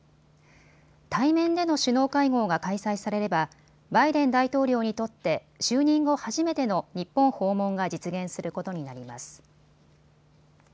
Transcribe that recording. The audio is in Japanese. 対面での首脳会合が開催されればバイデン大統領にとって就任後初めての日本訪問が実現することになります。